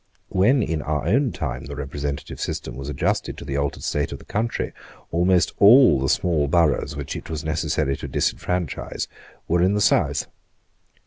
When in our own time the representative system was adjusted to the altered state of the country, almost all the small boroughs which it was necessary to disfranchise were in the south.